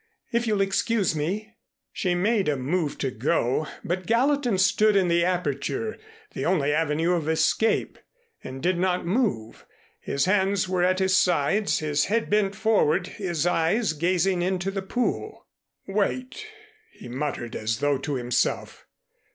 If you'll excuse me " She made a movement to go, but Gallatin stood in the aperture, the only avenue of escape, and did not move. His hands were at his sides, his head bent forward, his eyes gazing into the pool. "Wait " he muttered, as though to himself.